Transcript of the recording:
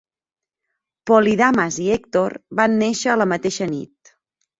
Polydamas i Hector van néixer a la mateixa nit.